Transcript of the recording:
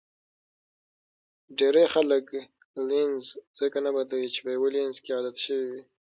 ډېری خلک لینز ځکه نه بدلوي چې په یو لینز کې عادت شوي وي.